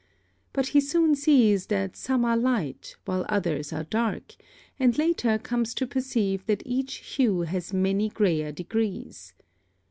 But he soon sees that some are light, while others are dark, and later comes to perceive that each hue has many grayer degrees.